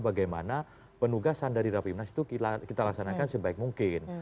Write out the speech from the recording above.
bagaimana penugasan dari rapimnas itu kita laksanakan sebaik mungkin